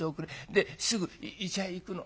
ですぐ医者へ行くの。